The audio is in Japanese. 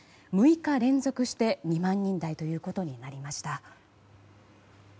６日連続して２万人台となりました。